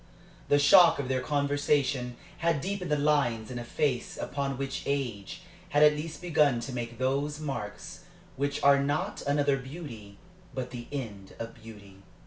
The shock of their conversation had deepened the lines in a face upon which age had at last begun to make those marks which are not another beauty, but the end of beauty.